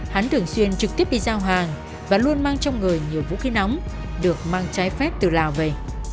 hắn thường xuyên trực tiếp đi giao hàng và luôn mang trong người nhiều vũ khí nóng được mang trái phép từ lào về